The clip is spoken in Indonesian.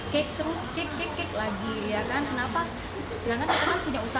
setahun ini di rumah anak dari anak suami sama kesendiri ketua